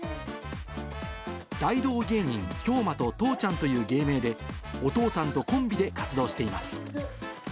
大道芸人ひょうまと父ちゃんという芸名で、お父さんとコンビで活動しています。